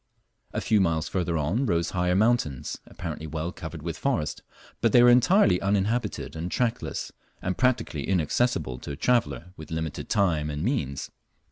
A few miles further on rose higher mountains, apparently well covered with forest, but they were entirely uninhabited and trackless, and practically inaccessible to a traveller with limited time and means.